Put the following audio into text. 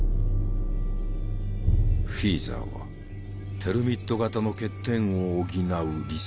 フィーザーはテルミット型の欠点を補う理想の焼夷弾を目指す。